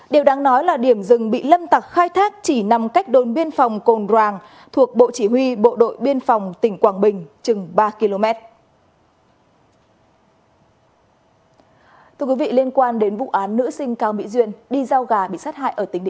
điều đáng nói là điểm rừng bị lâm tặc khai thác chỉ nằm cách đồn biên phòng cồn đoàng